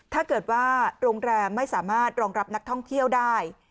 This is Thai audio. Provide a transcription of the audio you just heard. ถ้าเกิดว่าโรงแรมไม่สามารถรองรับนักท่องเที่ยวได้